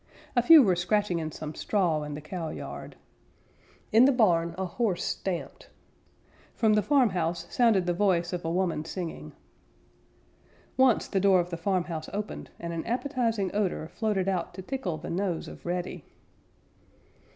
A few were scratching in some straw in the cowyard. In the barn a horse stamped. From the farmhouse sounded the voice of a woman singing. Once the door of the farmhouse opened, and an appetizing odor floated out to tickle the nose of Reddy.